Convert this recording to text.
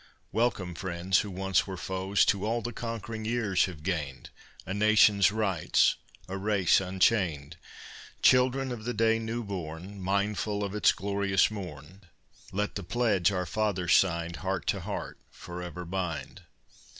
Welcome, friends who once were foes, To all the conquering years have gained, A nation's rights, a race unchained! Children of the day new born! Mindful of its glorious morn, Let the pledge our fathers signed Heart to heart forever bind!